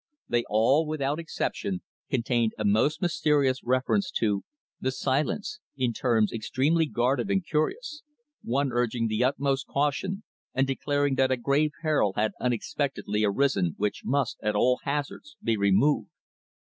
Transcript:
They all, without exception, contained a most mysterious reference to "the Silence," in terms extremely guarded and curious, one urging the utmost caution and declaring that a grave peril had unexpectedly arisen which must, at all hazards, be removed.